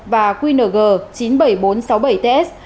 và qng chín mươi bảy nghìn bốn trăm sáu mươi bảy ts